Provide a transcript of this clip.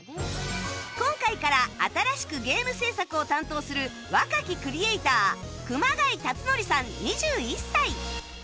今回から新しくゲーム制作を担当する若きクリエイター熊谷龍典さん２１歳